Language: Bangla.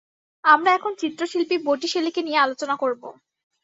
আমরা এখন চিত্রশিল্পী বটিশেলীকে নিয়ে আলোচনা করব।